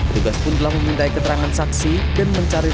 ketika dihantam oleh sepeda motor yang datang dari arah berlawanan